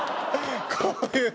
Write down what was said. こういうの。